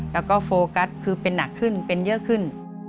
แล้วก็โฟกัสคือเป็นหนักขึ้นเป็นเยอะขึ้น